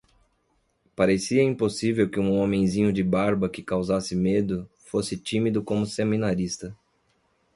Parecia impossível que um homenzinho de barba que causasse medo fosse tímido como seminarista.